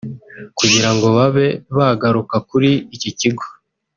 kugirango babe bagaruka kuri iki kigo